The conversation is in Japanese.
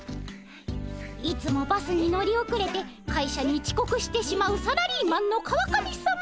いつもバスに乗り遅れて会社にちこくしてしまうサラリーマンの川上さま。